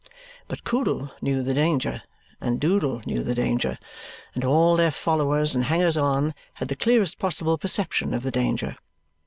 But Coodle knew the danger, and Doodle knew the danger, and all their followers and hangers on had the clearest possible perception of the danger.